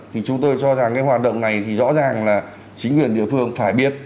thì chúng tôi cho rằng cái hoạt động này thì rõ ràng là chính quyền địa phương phải biết